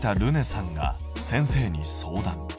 さんが先生に相談。